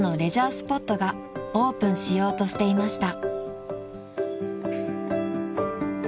スポットがオープンしようとしていました］